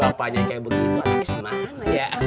bapaknya kayak begitu anaknya sama mana ya